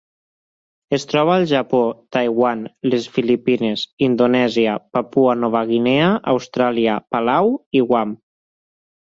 Es troba al Japó, Taiwan, les Filipines, Indonèsia, Papua Nova Guinea, Austràlia, Palau i Guam.